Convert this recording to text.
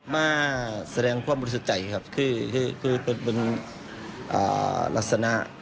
มาแสดงความบริสุทธิ์ใจครับคือเป็นลักษณะ